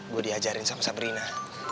gua diajarin sama sabrina